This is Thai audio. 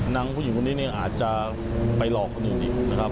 ผู้หญิงคนนี้เนี่ยอาจจะไปหลอกคนอื่นอีกนะครับ